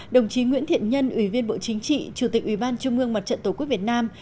đồng chí nguyễn thiện nhân ủy viên bộ chính trị chủ tịch ủy ban trung ương mặt trận tổ quốc việt nam